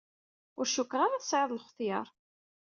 Ur cukkeɣ ara tesɛiḍ lextyar.